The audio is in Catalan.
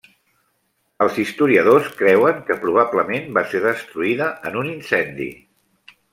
Els historiadors creuen que, probablement, va ser destruïda en un incendi.